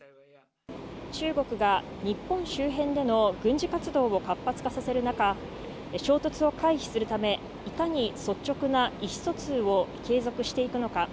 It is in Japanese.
中国が日本周辺での軍事活動を活発化させる中、衝突を回避するため、いかに率直な意思疎通を継続していくのか。